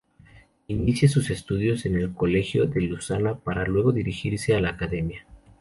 Inicia sus estudios en el Colegio de Lausana, para luego dirigirse a la Academia.